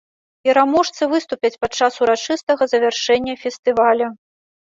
Пераможцы выступяць падчас урачыстага завяршэння фестываля.